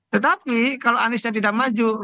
tetapi kalau aniesnya tidak maju